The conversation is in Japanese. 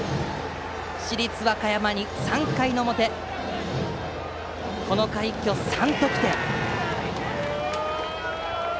市立和歌山、３回の表この回一挙３得点！